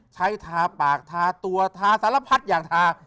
ทาปากทาตัวทาสารพัดอย่างทา